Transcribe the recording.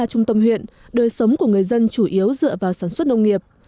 xã xa trung tâm huyện đời sống của người dân chủ yếu dựa vào sản xuất nông nghiệp